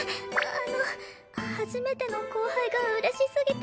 あの初めての後輩が嬉しすぎて。